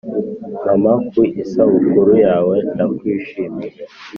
mama, ku isabukuru yawe, ndakwishimiye